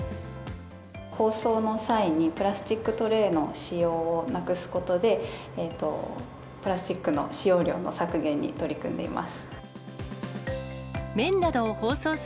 包装の際に、プラスチックトレーの使用をなくすことで、プラスチックの使用量の削減に取り組んでいます。